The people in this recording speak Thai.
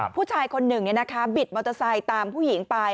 ผู้ชายคนหนึ่งบิดมอเตอร์ไซค์ตามผู้หญิงไป